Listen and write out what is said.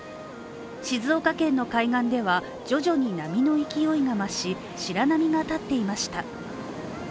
静岡県の海岸では徐々に波の勢いが増し白波が立っていました。